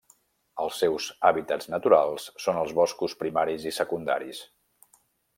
Els seus hàbitats naturals són els boscos primaris i secundaris.